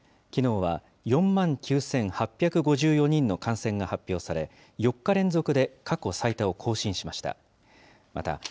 きのうは４万９８５４人の感染が発表され、４日連続で過去最多を更新しました。